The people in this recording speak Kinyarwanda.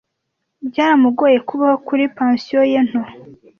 Byaramugoye kubaho kuri pansiyo ye nto.